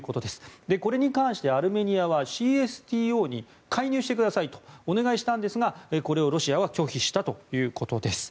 これに関してアルメニアはＣＳＴＯに介入してくださいとお願いしたんですがこれをロシアは拒否したということです。